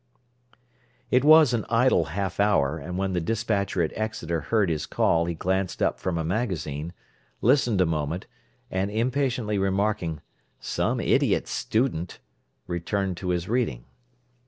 It was an idle half hour, and when the despatcher at Exeter heard his call he glanced up from a magazine, listened a moment, and impatiently remarking, "Some idiot student!" returned to his reading.